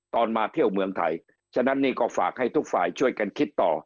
มาเที่ยวเมืองไทยฉะนั้นนี่ก็ฝากให้ทุกฝ่ายช่วยกันคิดต่อ